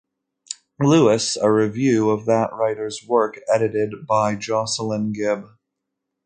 Lewis, a review of that writer's work edited by Jocelyn Gibb.